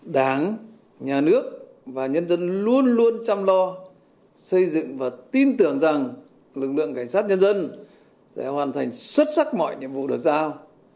đảng nhà nước và nhân dân luôn luôn chăm lo xây dựng và tin tưởng rằng lực lượng cảnh sát nhân dân sẽ hoàn thành xuất sắc mọi nhiệm vụ được giao